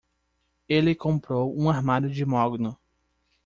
Ele comprou um armário de mogno